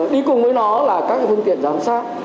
đi cùng với nó là các phương tiện giám sát